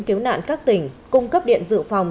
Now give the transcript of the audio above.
cứu nạn các tỉnh cung cấp điện dự phòng